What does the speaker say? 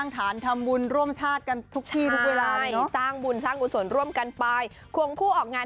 ท่านก็บุญกับท่านื่นอัลโหลด